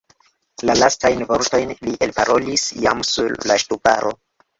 La lastajn vortojn li elparolis jam sur la ŝtuparo.